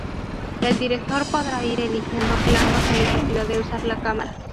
El director podrá ir eligiendo planos sin necesidad de usar la cámara.